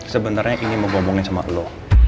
sebenarnya ini mau ngomongin sama lo